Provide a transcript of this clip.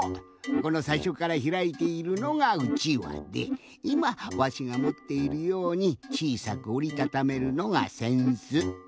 このさいしょからひらいているのがうちわでいまわしがもっているようにちいさくおりたためるのがせんす。